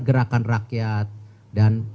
gerakan rakyat dan